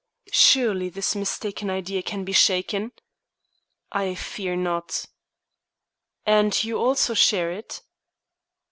"Surely this mistaken idea can be shaken?" "I fear not." "And you also share it?"